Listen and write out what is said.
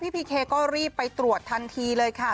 พีเคก็รีบไปตรวจทันทีเลยค่ะ